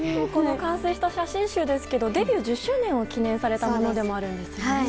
この完成した写真集ですがデビュー１０周年を記念されたものでもあるんですよね。